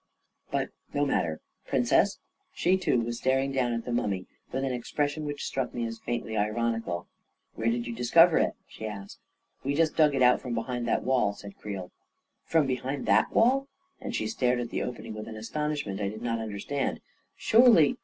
" But no mat ter. Princess ..." She too was staring down at the mummy with an expression which struck me as faintly ironical. "Where did you discover it?" she asked. " We just dug it out from behind that wall," said Creel. " From behind that wall? " and she stared at the opening with an astonishment I did not understand. " Surely